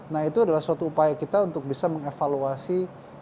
nah itu adalah suatu upaya kita untuk bisa mengevaluasi